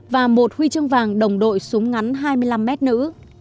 và một huy chương vàng đồng đội súng ngắn hai mươi năm m nữ